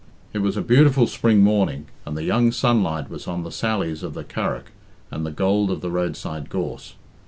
It was a beautiful spring morning, and the young sunlight was on the sallies of the Curragh and the gold of the roadside gorse.